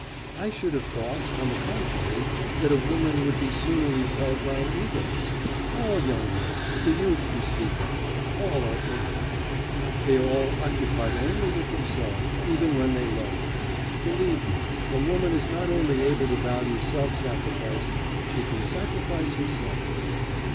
I should have thought, on the contrary, that a woman would be sooner repelled by an egoist.... All young men the youth you speak of all are egoists, they are all occupied only with themselves, even when they love. Believe me, a woman is not only able to value self sacrifice; she can sacrifice herself.